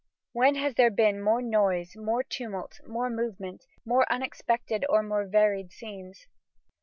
When has there been more noise, more tumult, more movement, more unexpected or more varied scenes?